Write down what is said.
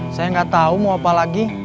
saya gak tau mau apa lagi